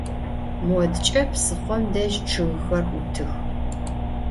Modıç'e, psıxhom dej, ççıgxer 'utıx.